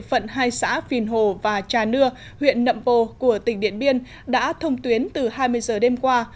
phận hai xã phìn hồ và trà nưa huyện nậm pồ của tỉnh điện biên đã thông tuyến từ hai mươi giờ đêm qua